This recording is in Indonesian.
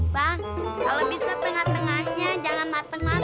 bang kalau bisa tengah tengahnya jangan mateng mateng